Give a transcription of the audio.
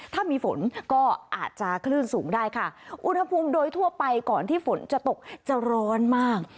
ถ้ามีฝนก็อาจจะคลื่นสูงได้ค่ะอุณหภูมิโดยทั่วไปก่อนที่ฝนจะตกจะร้อนมาก